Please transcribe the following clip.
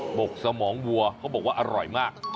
บกสมองวัวเขาบอกว่าอร่อยมาก